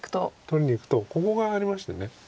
取りにいくとここがありまして。